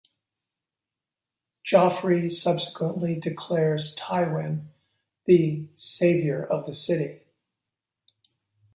Joffrey subsequently declares Tywin the "Savior of the City".